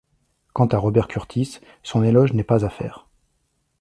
Quant à Robert Kurtis, son éloge n’est pas à faire.